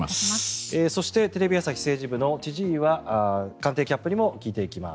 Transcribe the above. そしてテレビ朝日政治部の千々岩官邸キャップにもお話を聞いていきます。